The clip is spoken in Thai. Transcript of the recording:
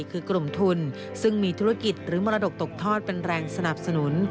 คือกลุ่มทุนซึ่งมีธุรกิจหรือมรดกตกทอดเป็นแรงสนับสนุน